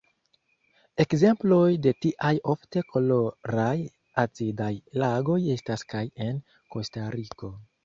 Ekzemploj de tiaj ofte koloraj acidaj lagoj estas kaj en Kostariko.